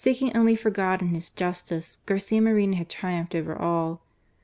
Seeking only for God and His justice, Garcia Moreno had triumphed over all.